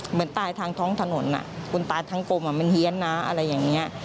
เหมือนตายทางท้องถนนคุณตายทั้งกลมมันเฮียนนะอะไรอย่างนี้